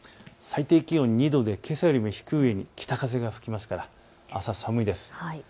最低気温２度で、けさより低い北風が吹きますから朝、寒いです。